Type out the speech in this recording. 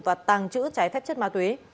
và tăng trữ trái phép chất ma túy